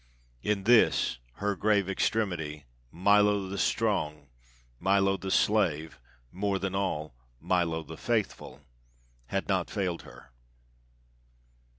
In this, her grave extremity, Milo the strong, Milo the slave, more than all, Milo the faithful, had not failed her.